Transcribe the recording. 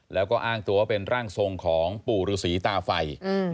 แล้วก็อ้างตัวว่าเป็นร่างทรงของปู่ฤษีตาไฟ